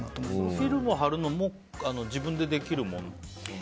フィルムを貼るのも自分でできるものなんですか？